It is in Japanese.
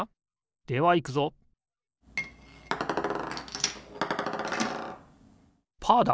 ではいくぞパーだ！